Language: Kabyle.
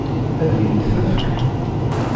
Ad iyi-tt-tefk?